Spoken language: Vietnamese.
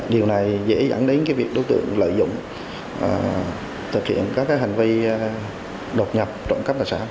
điều này dễ dẫn đến việc đối tượng lợi dụng thực hiện các hành vi đột nhập trộm cắp tài sản